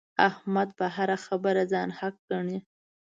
احمد په هره خبره ځان حق ګڼي.